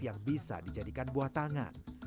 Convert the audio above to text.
yang bisa dijadikan buah tangan